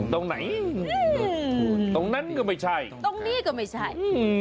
ตรงไหนตรงนั้นก็ไม่ใช่ตรงนี้ก็ไม่ใช่